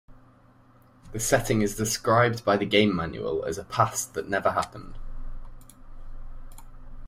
The setting is described by the game manual as a "past that never happened".